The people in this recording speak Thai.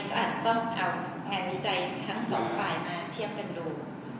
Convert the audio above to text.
ก็อาจจะต้องเอางานวิจัยทั้งสองฝ่ายมาเทียบกันดู